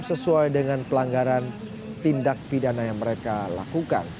sesuai dengan pelanggaran tindak pidana yang mereka lakukan